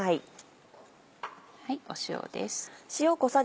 塩です。